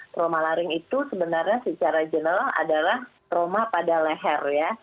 trauma laring itu sebenarnya secara general adalah trauma pada leher ya